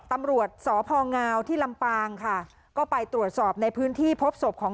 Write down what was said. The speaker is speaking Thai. ตำรวจสพงที่ลำปางค่ะก็ไปตรวจสอบในพื้นที่พบศพของ